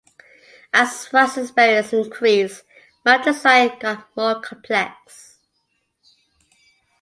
As Watts' experience increased, map design got more complex.